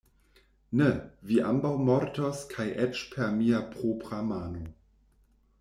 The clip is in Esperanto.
Ne! vi ambaŭ mortos kaj eĉ per mia propra mano.